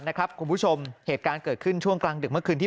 คุณผู้ชมเหตุการณ์เกิดขึ้นช่วงกลางดึกเมื่อคืนที่